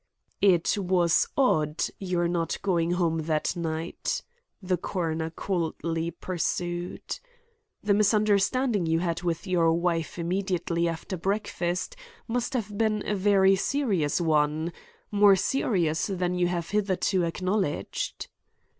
"It was odd, your not going home that night," the coroner coldly pursued. "The misunderstanding you had with your wife immediately after breakfast must have been a very serious one; more serious than you have hitherto acknowledged."